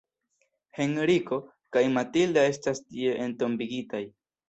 Henriko kaj Matilda estas tie entombigitaj.